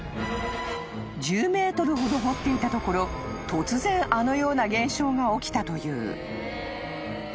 ［１０ｍほど掘っていたところ突然あのような現象が起きたという］